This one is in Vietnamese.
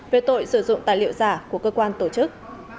về tội sử dụng tài liệu giả của cơ quan tổ chức